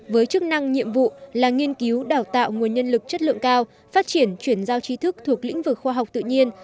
với chức năng nhiệm vụ là nghiên cứu đào tạo nguồn nhân lực chất lượng cao phát triển chuyển giao trí thức thuộc lĩnh vực khoa học tự nhiên